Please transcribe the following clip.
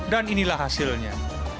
dan inilah hasilnya